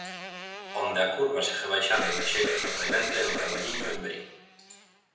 Onde a curva segue baixando de xeito sorprendente é no Carballiño e en Verín.